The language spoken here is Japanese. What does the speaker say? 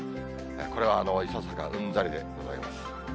これはいささかうんざりでございます。